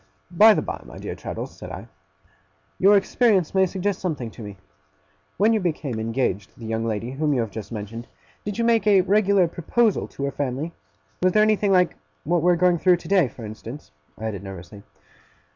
'By the by, my dear Traddles,' said I, 'your experience may suggest something to me. When you became engaged to the young lady whom you have just mentioned, did you make a regular proposal to her family? Was there anything like what we are going through today, for instance?' I added, nervously.